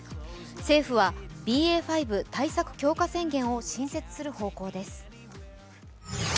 政府はＢＡ．５対策強化宣言を新設する方針です。